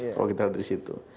kalau kita lihat dari situ